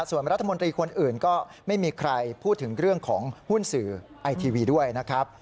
ส่วนรัฐมนตรีคนอื่นก็ไม่มีใครพูดถึงเรื่องของหุ้นสื่อไอทีวีด้วยนะครับ